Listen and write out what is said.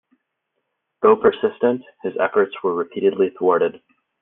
Though persistent, his efforts were repeatedly thwarted.